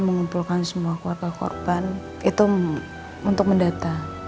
mengumpulkan semua keluarga korban itu untuk mendata